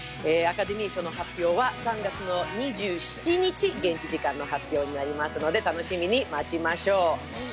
アカデミー賞の発表は３月２７日、現地時間の発表になりますので楽しみに待ちましょう。